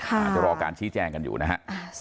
อาจจะรอการชี้แจงกันอยู่นะฮะ